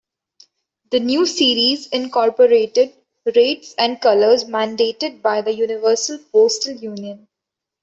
The new series incorporated rates and colors mandated by the Universal Postal Union.